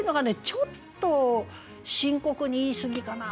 ちょっと深刻に言いすぎかな。